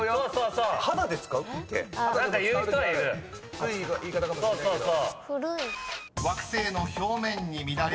古い言い方かもしれないけど。